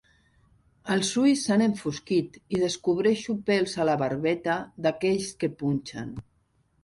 Els ulls s'han enfosquit i descobreixo pèls a la barbeta d'aquells que punxen.